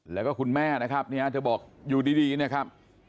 แล้วก็คุณแม่นะครับเนี่ยเธอบอกอยู่ดีเนี่ยครับ